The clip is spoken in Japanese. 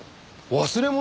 忘れ物？